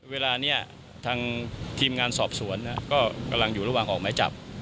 เวลานี้ทางทีมงานสอบสวนก็กำลังอยู่ระหว่างออกไม้จับ